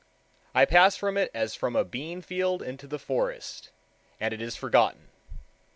I pass from it as from a bean field into the forest, and it is forgotten.